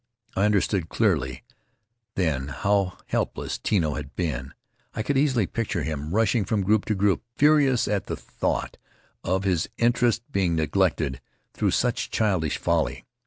I understood clearly then how helpless Tino had been. I could easily picture him rushing from group to group, furious at the thought of his interests being neglected through such childish folly.